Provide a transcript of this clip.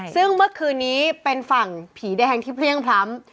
ซึ่งเมื่อคืนนี้เป็นฝั่งผีแดงที่เพลี่ยงพล้ำ